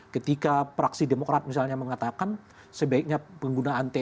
ketika praksi demokrat misalnya mengatakan sebaiknya penggunaan tni di atas